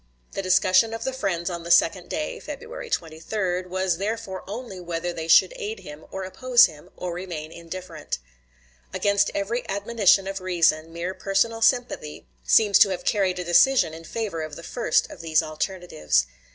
The discussion of the friends on the second day (February 23) was therefore only whether they should aid him, or oppose him, or remain indifferent. Against every admonition of reason, mere personal sympathy seems to have carried a decision in favor of the first of these alternatives.